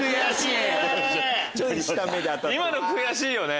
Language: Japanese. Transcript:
今の悔しいよね。